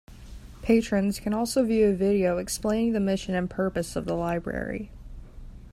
Patrons can also view a video explaining the mission and purpose of the Library.